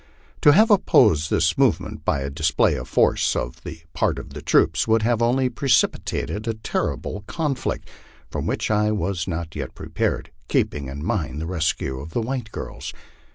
To have opposed this movement by a display of force on the part of the troops would have only precipitated a terrible conflict, for which I was not yet prepared, keeping in mind the rescue of the white girls.